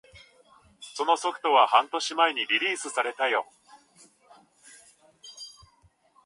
そのソフトは半年前にリリースされたよ